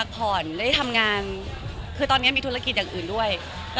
แฟนก็เหมือนละครมันยังไม่มีออนอะไรอย่างนี้มากกว่าไม่รับปีละเรื่องเองอ่ะ